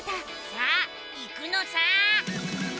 さあ行くのさ！